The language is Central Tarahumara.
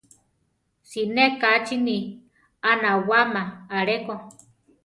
Siné kachini a nawáma aleko.